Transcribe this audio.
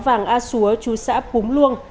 vàng a xúa chú xã búm luông